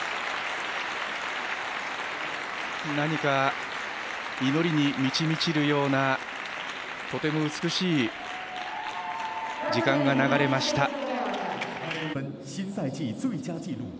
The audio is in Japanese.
何か、祈りに満ち満ちるようなとても美しい時間が流れました。